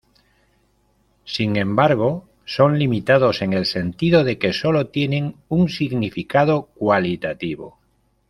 Sin embargo, son limitados en el sentido de que sólo tienen un significado cualitativo.